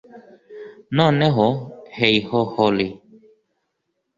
Noneho heighho holly